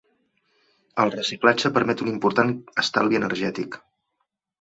El reciclatge permet un important estalvi energètic.